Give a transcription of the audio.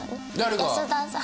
安田さん。